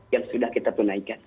yang sudah kita tunaikan